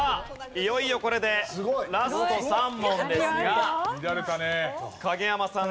いよいよこれでラスト３問ですが影山さん